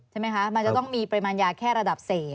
ใช่ไหมคะมันจะต้องมีปริมาณยาแค่ระดับเสพ